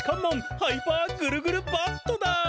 ハイパーぐるぐるバットだ。